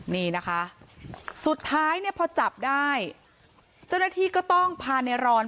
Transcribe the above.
นี่นะคะสุดท้ายเนี่ยพอจับได้เจ้าหน้าที่ก็ต้องพาในรอน